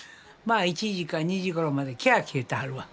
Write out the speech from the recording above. まあ１時か２時頃までキャーキャー言ってはるわ。